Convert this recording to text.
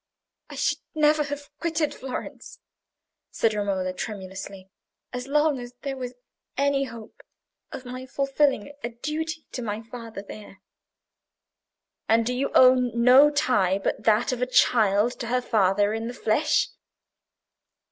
"I should never have quitted Florence," said Romola, tremulously, "as long as there was any hope of my fulfilling a duty to my father there." "And do you own no tie but that of a child to her father in the flesh?